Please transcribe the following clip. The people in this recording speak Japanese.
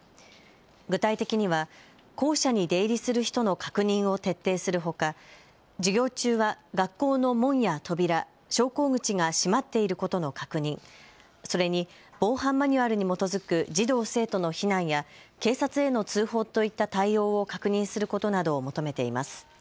具体的には校舎に出入りする人の確認を徹底するほか授業中は学校の門や扉、昇降口が閉まっていることの確認、それに防犯マニュアルに基づく児童生徒の避難や警察への通報といった対応を確認することなどを求めています。